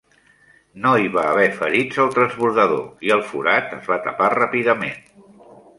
No hi va haver ferits al transbordador i el forat es va tapar ràpidament.